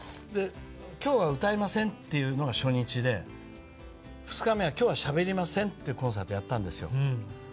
「今日は歌いません」というのが初日で２日目は「今日はしゃべりません」というコンサートをやったんですよ。